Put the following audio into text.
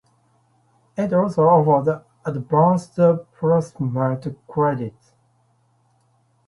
It also offers advanced placement credits.